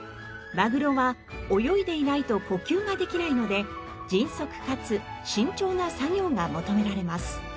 マグロは泳いでいないと呼吸ができないので迅速かつ慎重な作業が求められます。